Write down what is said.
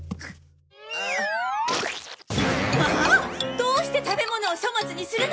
どうして食べ物を粗末にするの！